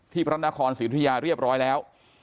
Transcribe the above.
ที่พระรันตคอนสีธุระยาเรียบร้อยแล้ว